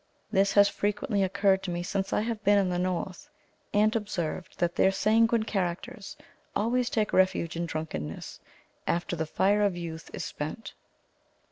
This has frequently occurred to me since I have been in the north, and observed that there sanguine characters always take refuge in drunkenness after the fire of youth is spent.